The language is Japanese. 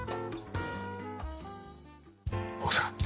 奥さん。